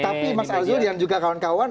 tapi mas azul dan juga kawan kawan